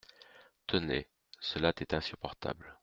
Tenez ; cela est insupportable.